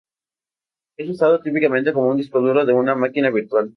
Es usado típicamente como un disco duro de una máquina virtual.